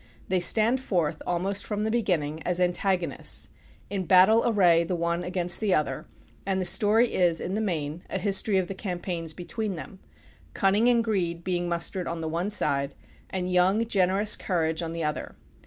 They stand forth, almost from the beginning, as antagonists, in battle array the one against the other; and the story is, in the main, a history of the campaigns between them cunning and greed being mustered on the one side, and young, generous courage on the other.